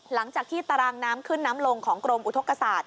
หลังจากที่ตารางน้ำขึ้นน้ำลงของกรมอุทธกษาตร